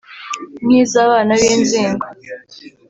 nk'iz'abana b'inzingo